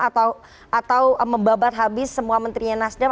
atau membabat habis semua menterinya nasdem